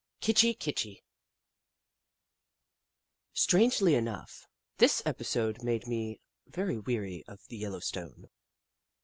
KITCHI KITCHI Strangely enough, this episode made me very weary of the Yellowstone.